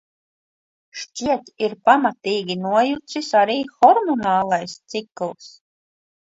Šķiet, ir pamatīgi nojucis arī hormonālais cikls...